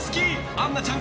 杏菜ちゃん